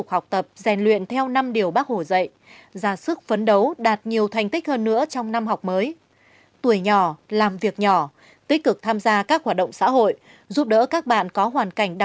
hãy đăng ký kênh để ủng hộ kênh của mình nhé